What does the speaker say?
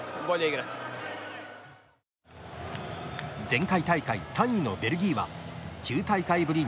前回大会３位のベルギーは９大会ぶり